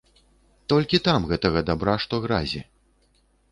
Толькі там гэтага дабра, што гразі.